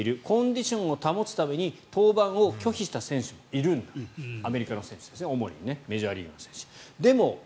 コンディションを保つために登板を拒否した選手、いるんですアメリカの選手ですねメジャーリーグの選手です。